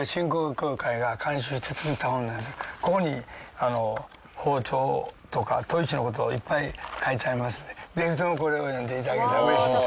ここに包丁とか砥石のことをいっぱい書いてありますのでぜひともこれを読んでいただけたらうれしいです。